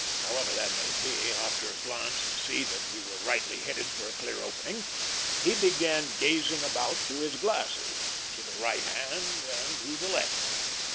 However that be, after a glance to see that we were rightly headed for a clear opening, he began gazing about through his glasses, to the right hand and to the left.